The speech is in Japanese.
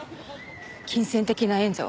金銭的な援助を。